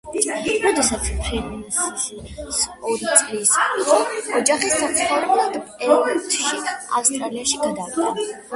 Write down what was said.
როდესაც ფრენსისი ორი წლის იყო ოჯახი საცხოვრებლად პერთში, ავსტრალიაში გადავიდა.